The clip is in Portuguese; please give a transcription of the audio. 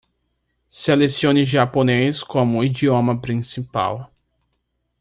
Selecione japonês como idioma principal.